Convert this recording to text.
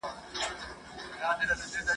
د دوی بېرېدل تر مرګ غوره وو.